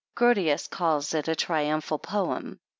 Grotius calls it a triumphal poem.